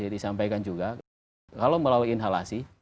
disampaikan juga kalau melalui inhalasi